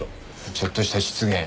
ちょっとした失言。